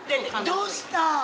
どうした？